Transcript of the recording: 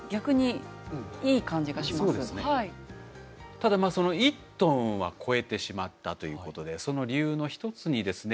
ただその１トンは超えてしまったということでその理由の一つにですね